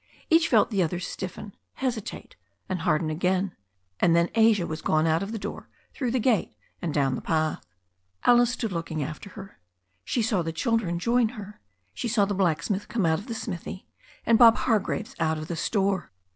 Each felt the other stiffen, hesitate, and harden again, and then Asia was gone out of the door, through the gate, and down the path. Alice stood looking after her. She saw the children join her. She saw the blacksmith come out of the smithy, and Bob Hargraves out of the store.